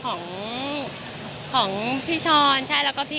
คุณก็ไม่รู้อาจจะถืออะไรอย่างนี้